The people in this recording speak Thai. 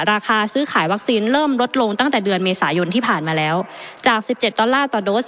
ราคาซื้อขายวัคซีนเริ่มลดลงตั้งแต่เดือนเมษายนที่ผ่านมาแล้วจากสิบเจ็ดดอลลาร์ต่อโดส